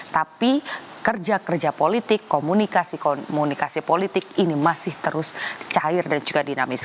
tapi kerja kerja politik komunikasi komunikasi politik ini masih terus cair dan juga dinamis